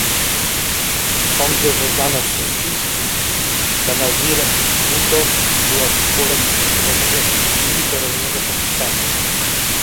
Sądzę, że dla nas wszystkich Benazir Bhutto była symbolem umiarkowanego i liberalnego Pakistanu